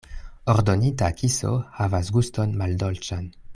Ordonita kiso havas guston maldolĉan.